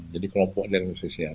jadi kelompok diagnosisnya